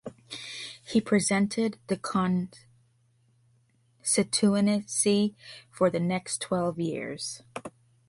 He represented the constituency for the next twelve years.